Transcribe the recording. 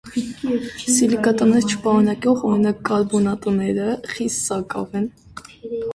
Սիլիկատներ չպարունակող Մ.ա. (օրինակ, կարբոնատիտները) խիստ սակավ են։